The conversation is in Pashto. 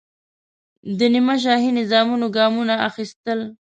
د نیمه شاهي نظامونو ګامونه اخیستل.